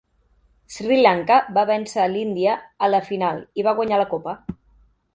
Sri Lanka va vèncer l'Índia a la final i va guanyar la copa.